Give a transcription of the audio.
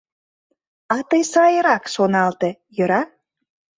А тый сайрак шоналте, йӧра?